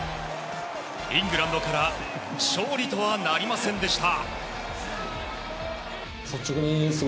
イングランドから勝利とはなりませんでした。